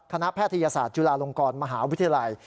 แพทยศาสตร์จุฬาลงกรมหาวิทยาลัย